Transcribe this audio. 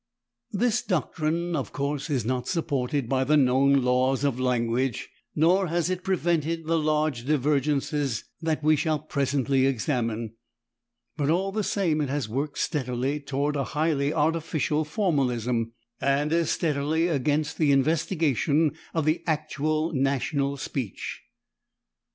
This doctrine, of course, is not supported by the known laws of [Pg003] language, nor has it prevented the large divergences that we shall presently examine, but all the same it has worked steadily toward a highly artificial formalism, and as steadily against the investigation of the actual national speech.